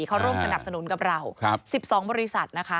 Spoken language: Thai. เขาร่วมสนับสนุนกับเรา๑๒บริษัทนะคะ